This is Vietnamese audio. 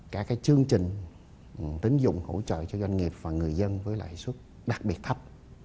cả cái chương trình tín dụng hỗ trợ cho doanh nghiệp và người dân với lãi suất đặc biệt thấp